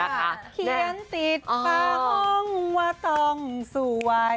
เขียนติดป่าห้องว่าต้องสวย